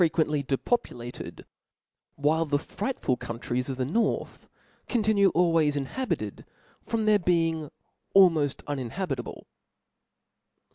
uently depopulated; while the frightful countries of the north continue always inhabited, from their being almoft unin habitable.